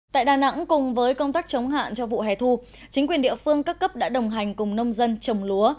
tại đà nẵng cùng với công tác chống hạn cho vụ hẻ thu chính quyền địa phương cấp cấp đã đồng hành cùng nông dân chống lúa